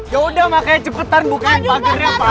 yaudah makanya cepetan bukain pagernya pak